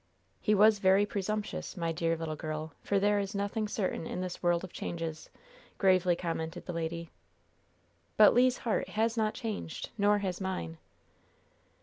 "He was very presumptuous, my dear little girl, for there is nothing certain in this world of changes," gravely commented the lady. "But Le's heart has not changed, nor has mine."